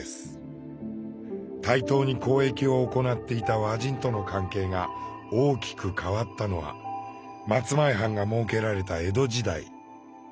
対等に交易を行っていた和人との関係が大きく変わったのは松前藩が設けられた江戸時代。